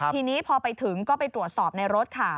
ทีนี้พอไปถึงก็ไปตรวจสอบในรถค่ะ